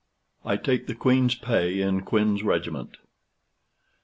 I TAKE THE QUEEN'S PAY IN QUIN'S REGIMENT.